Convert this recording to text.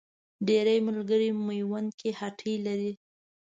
ډېری ملګري میوند کې هټۍ لري.